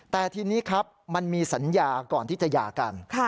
แต่ทีนี้ครับมันมีสัญญาก่อนที่จะหย่ากัน